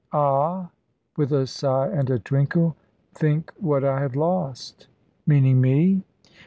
"Ah!" with a sigh and a twinkle, "think what I have lost." "Meaning me?"